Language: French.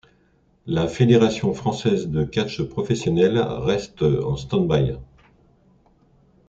La Fédération française de catch professionnel reste en stand-by.